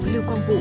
lưu quang vũ